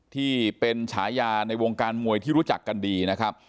ที่เป็นฉายาในวงการมวยที่รู้จักกันดีนะครับ